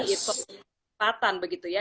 itu kesempatan begitu ya